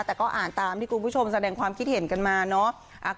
แต่ก็อ่านตามที่คุณผู้ชมแสดงความคิดเห็นกันมาเนอะ